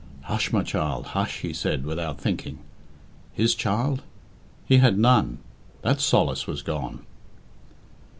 "Hush, my child, hush!" he said, without thinking. His child? He had none. That solace was gone.